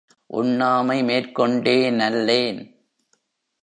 உண்ணாமை மேற்கொண்டே னல்லேன்.